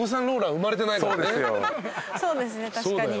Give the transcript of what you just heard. そうですよ。